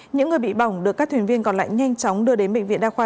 những người bị bỏng được các thuyền viên còn lại nhanh chóng đưa đến bệnh viện đa khoa